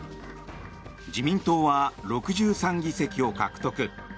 自民党は６３議席を獲得。